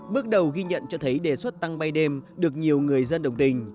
bước đầu ghi nhận cho thấy đề xuất tăng bay đêm được nhiều người dân đồng tình